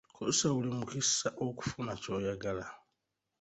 Kozesa buli mukisa okufuna ky'oyagala.